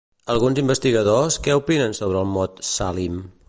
Alguns investigadors, què opinen sobre el mot Šalim?